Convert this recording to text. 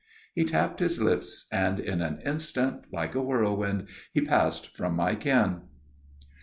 He tapped his lips, and in an instant, like a whirlwind, he passed from my ken.